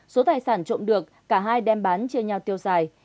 số tài sản trộm được cả hai đem bán chia nhau tiêu xài